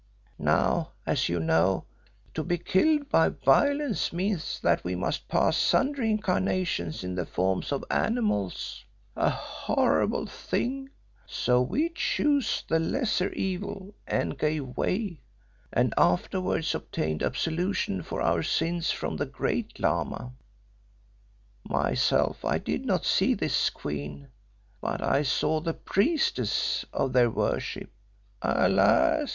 Now, as you know, to be killed by violence means that we must pass sundry incarnations in the forms of animals, a horrible thing, so we chose the lesser evil and gave way, and afterwards obtained absolution for our sins from the Great Lama. Myself I did not see this queen, but I saw the priestess of their worship alas!